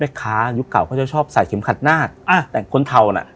เมค้ายุคเก่าเขาใช้ชอบใส่เข็มขัดหน้าฆาตแด่งคนเท่านั้น